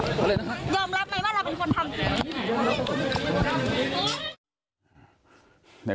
ยอมรับใหม่ว่าเราเป็นคนทำ